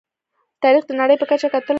تاریخ د نړۍ په کچه کتلی شو.